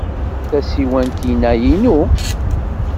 Tasiwant-inna inu.